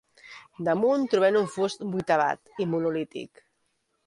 Damunt, trobem un fust vuitavat, i monolític.